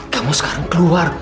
kamu sekarang keluar